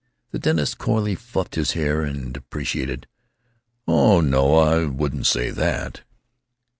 The dentist coyly fluffed his hair and deprecated, "Oh no, I wouldn't say that!"